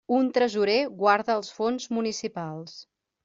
Un tresorer guarda els fons municipals.